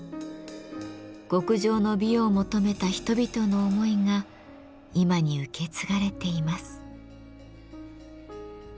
極上の美を求めた人々の思いが今に受け継がれています。